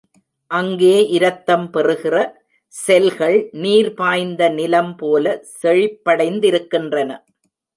அங்கே இரத்தம் பெறுகிற செல்கள் நீர் பாய்ந்த நிலம் போல செழிப்படைந்திருக்கின்றன.